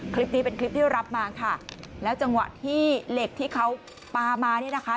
คลิปนี้เป็นคลิปที่รับมาค่ะแล้วจังหวะที่เหล็กที่เขาปลามานี่นะคะ